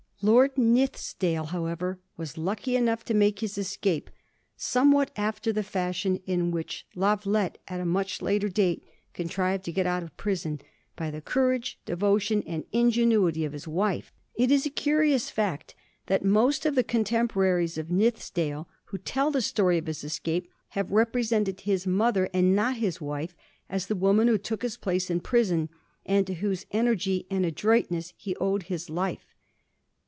Lord Nithisdale, however, was lucky enough to make his escape, somewhat after the fashion in which Lavalette, at a much later date, contrived to get out of prison, by the courage, devotion, and ingenuity of his wife. It is a curious fact that most of the contemporaries of Nithisdale who tell the story of his escape have represented his mother, and not his wife, as the woman who took his place in prison, and to whose energy and adroitness he owed his life.